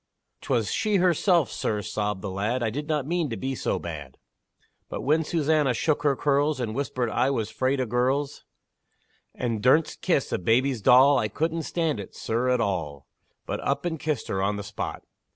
"'Twas she herself, sir," sobbed the lad; "I did not mean to be so bad; But when Susannah shook her curls, And whispered, I was 'fraid of girls And dursn't kiss a baby's doll, I couldn't stand it, sir, at all, But up and kissed her on the spot!